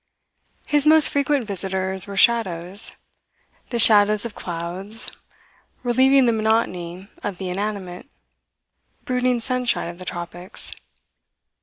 His most frequent visitors were shadows, the shadows of clouds, relieving the monotony of the inanimate, brooding sunshine of the tropics.